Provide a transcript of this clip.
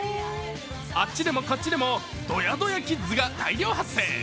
あっちでもこっちでもドヤドヤキッズが大量発生。